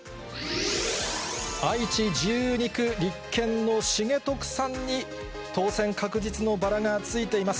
愛知１２区、立憲の重徳さんに当選確実のバラがついています。